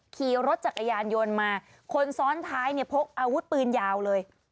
ขี่รถจักรยานยนต์มาคนซ้อนท้ายเนี่ยพกอาวุธปืนยาวเลย